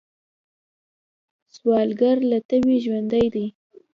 سوالګر له تمې ژوندی دی